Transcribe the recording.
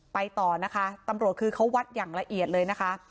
ไปต่อนะคะตำรวจคือเขาวัดอย่างละเอียดเลยนะคะ